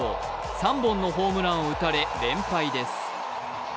３本のホームランを打たれ連敗です。